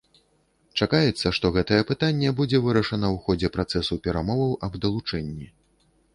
Чакаецца, што гэтае пытанне будзе вырашана ў ходзе працэсу перамоваў аб далучэнні.